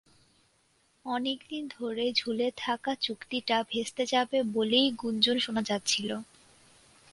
অনেক দিন ধরে ঝুলে থাকা চুক্তিটা ভেস্তে যাবে বলেই গুঞ্জন শোনা যাচ্ছিল।